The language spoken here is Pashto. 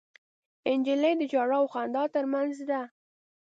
نجلۍ د ژړا او خندا تر منځ ده.